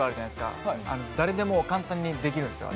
誰でも簡単にできるんですよ。